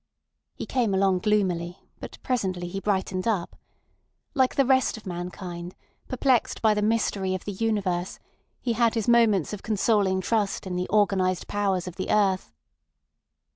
He came along gloomily, but presently he brightened up. Like the rest of mankind, perplexed by the mystery of the universe, he had his moments of consoling trust in the organised powers of the earth.